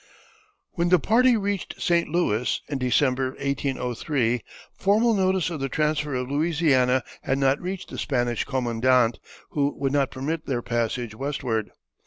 When the party reached St. Louis, in December, 1803, formal notice of the transfer of Louisiana had not reached the Spanish commandant, who would not permit their passage westward.